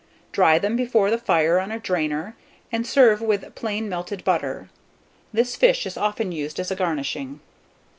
Dry them before the fire on a drainer, and servo with plain melted butter. This fish is often used as a garnishing.